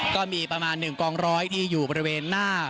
ก็มีประมาณ๑กองร้อยที่อยู่บริเวณหน้า